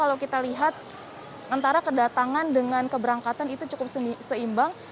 lihat antara kedatangan dengan keberangkatan itu cukup seimbang